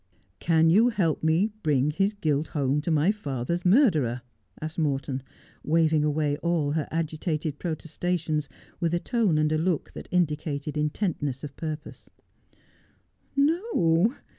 ' Can you help me to bring his guilt home to my father's murderer I ' asked Morton, waving .away all her agitated pro testations with a tone and look that indicated intentness of purpose. ' No.